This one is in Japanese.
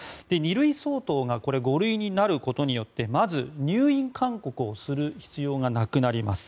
２類相当が５類になることによってまず、入院勧告をする必要がなくなります。